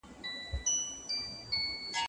لینک به په اسانۍ پیدا کړئ.